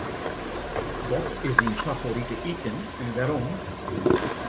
Wat is dyn favorite iten en wêrom?